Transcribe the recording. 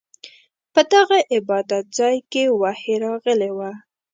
په دغه عبادت ځاې کې وحې راغلې وه.